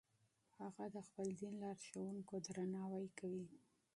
هغه د خپل دین لارښوونکو درناوی کوي.